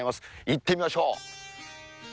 行ってみましょう。